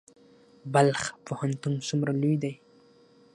بلخ پوهنتون څومره لوی دی؟